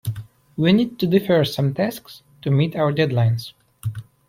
We need to defer some tasks to meet our deadlines.